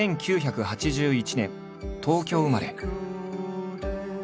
１９８１年東京生まれ。